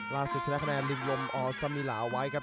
ล่าสุดพระราชแสดงคณะลิมลมเอาสัมมิหลาไวม์ครับ